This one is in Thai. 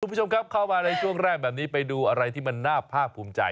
คุณผู้ชมครับเข้ามาในช่วงแรกแบบนี้ไปดูอะไรที่มันน่าภาคภูมิใจ